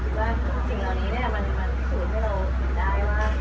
มีคิดว่าคุณจริงแต่ว่านี้แม้ทำให้เรารู้สึกได้ว่า